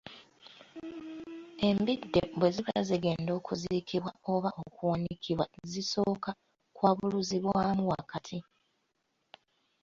Embidde bwe ziba zigenda okuziikibwa oba okuwanikibwa zisooka kwabuluzibwamu wakati.